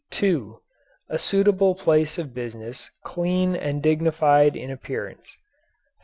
(2) A suitable place of business clean and dignified in appearance.